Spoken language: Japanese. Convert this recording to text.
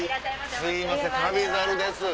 すいません『旅猿』です。